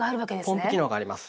ポンプ機能があります！